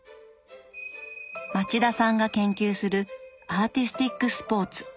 町田さんが研究するアーティスティックスポーツ。